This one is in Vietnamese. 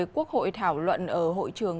quốc hội thảo luận ở hội trường